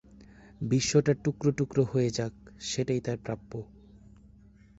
বিশ্বটা টুকরো টুকরো হয়ে যাক, সেটাই তার প্রাপ্য!